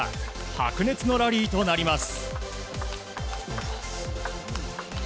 白熱のラリーとなります。